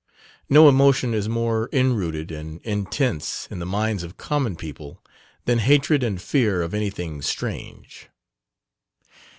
No emotion is more inrooted and intense in the minds of common people than hatred and fear of anything "strange."